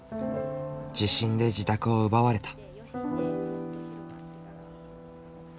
地震で自宅を奪われた。